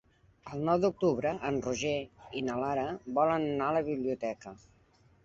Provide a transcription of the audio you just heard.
El nou d'octubre en Roger i na Lara volen anar a la biblioteca.